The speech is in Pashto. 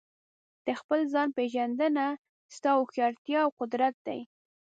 د خپل ځان پېژندنه ستا هوښیارتیا او قدرت دی.